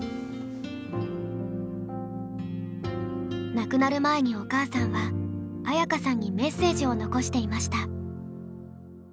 亡くなる前にお母さんは綾華さんにメッセージを残していました。